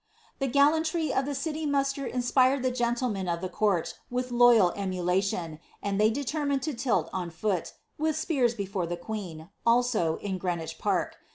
The gallantry of the city muster inspired the gentlemen of the court with loyal emulation, and they determined to tilt on foot, with spears before the queen, also, in Greenwich Park.